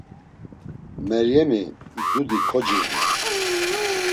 Meryemi, dudi kociğu.